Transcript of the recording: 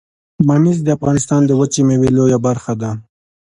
ممیز د افغانستان د وچې میوې لویه برخه ده